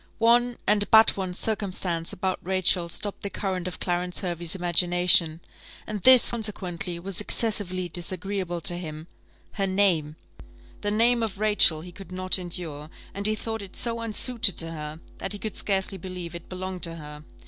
One, and but one, circumstance about Rachel stopped the current of Clarence Hervey's imagination, and this, consequently, was excessively disagreeable to him her name: the name of Rachel he could not endure, and he thought it so unsuited to her, that he could scarcely believe it belonged to her.